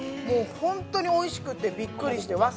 本当においしくてびっくりして。